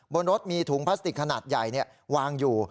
บนรถมีถุงพลาสติกขนาดใหญ่วางอยู่